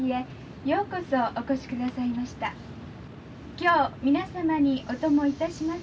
今日皆様にお供いたします